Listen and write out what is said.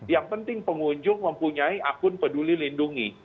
yang penting pengunjung mempunyai akun peduli lindungi